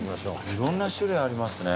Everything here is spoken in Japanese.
色んな種類ありますね。